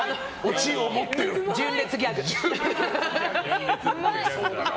純烈ギャグ。